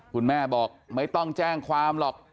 คุณแม่บอกไม่ต้องแจ้งความหรอก